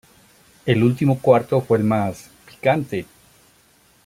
El último cuarto fue el más "picante".